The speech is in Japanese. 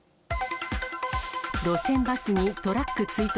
路線バスにトラック追突。